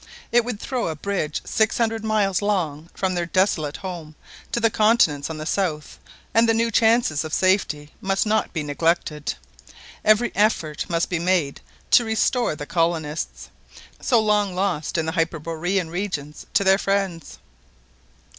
It would throw a bridge six hundred miles long from their desolate home to the continents on the south, and the new chances of safety must not be neglected, every effort must be made to restore the colonists, so long lost in the hyperborean regions, to their friends.